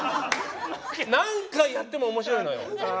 何回やっても面白いのよ。